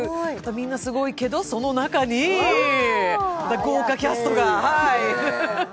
みんなすごいけど、その中に豪華キャストが。